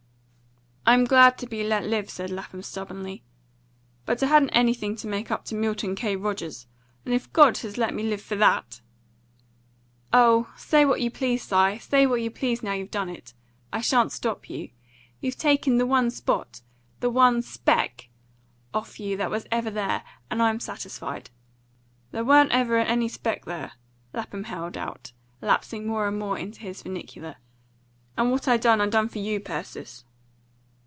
"I'm glad to be let live," said Lapham stubbornly, "but I hadn't anything to make up to Milton K. Rogers. And if God has let me live for that " "Oh, say what you please, Si! Say what you please, now you've done it! I shan't stop you. You've taken the one spot the one SPECK off you that was ever there, and I'm satisfied." "There wa'n't ever any speck there," Lapham held out, lapsing more and more into his vernacular; "and what I done I done for you, Persis."